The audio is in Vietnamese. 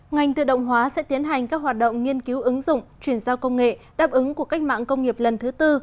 ngành tự động hóa sẽ tiến hành các hoạt động nghiên cứu ứng dụng chuyển giao công nghệ đáp ứng của cách mạng công nghiệp lần thứ tư